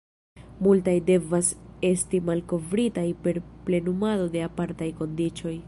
Multaj devas esti malkovritaj per plenumado de apartaj kondiĉoj.